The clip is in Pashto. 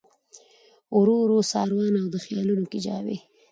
ورو ورو ساروانه او د خیالونو کجاوې